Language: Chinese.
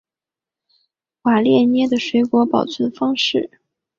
瓦列涅的水果保存方式。